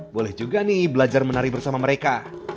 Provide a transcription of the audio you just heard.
boleh juga nih belajar menari bersama mereka